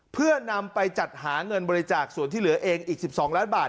เพื่อนำไปจัดหาเงินบริจาคส่วนที่เหลือเองอีก๑๒ล้านบาท